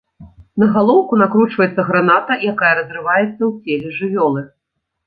На галоўку накручваецца граната, якая разрываецца у целе жывёлы.